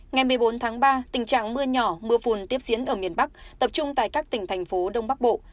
ngày một mươi bốn tháng ba tình trạng mưa nhỏ mưa phùn tiếp diễn ở miền bắc tập trung tại các tỉnh thành phố đông bắc bộ